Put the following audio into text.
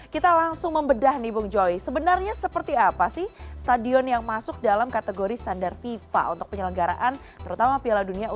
kita langsung membedah nih bung joy sebenarnya seperti apa sih stadion yang masuk dalam kategori standar fifa untuk penyelenggaraan terutama piala dunia u dua puluh